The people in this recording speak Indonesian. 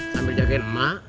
sambil jagain emak